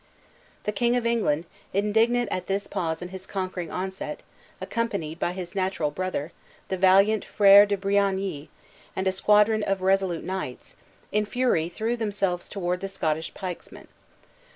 The King of England, indignant at this pause in his conquering onset, accompanied by his natural brother, the valiant Frere de Briagny, and a squadron of resolute knights, in fury threw themselves toward the Scottish pikesmen.